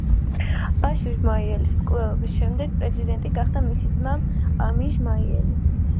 ბაშირ ჟმაიელის მკვლელობის შემდეგ პრეზიდენტი გახდა მისი ძმა ამინ ჟმაიელი.